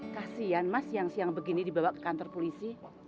kasian mas siang siang begini dibawa ke kantor polisi